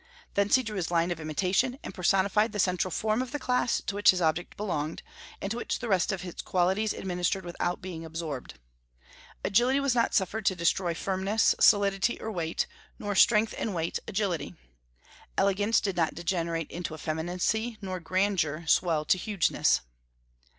Thence he drew his line of imitation, and personified the central form of the class to which his object belonged, and to which the rest of its qualities administered without being absorbed. Agility was not suffered to destroy firmness, solidity, or weight; nor strength and weight, agility. Elegance did not degenerate into effeminacy, nor grandeur swell to hugeness."